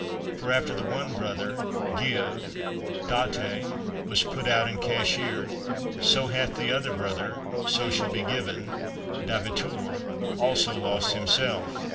For after the one brother, 'Give' (Date), was put out and cashiered, so hath the other brother, 'So shall be given' (Dabitur), also lost himself."